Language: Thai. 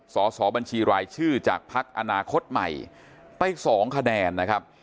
สอบบัญชีรายชื่อจากภักดิ์อนาคตใหม่ไป๒คะแนนนะครับ